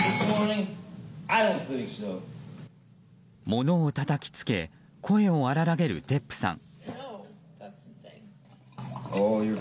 ものをたたきつけ声を荒らげるデップさん。